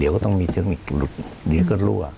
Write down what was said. เดี๋ยวก็ต้องมีเทคนิคหลุดเดี๋ยวก็รั่ว